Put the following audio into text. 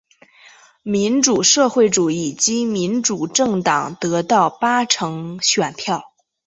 民主社会主义及民主政党得到八成选票。